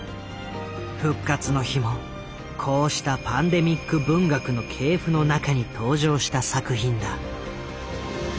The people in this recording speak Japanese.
「復活の日」もこうしたパンデミック文学の系譜の中に登場した作品だ。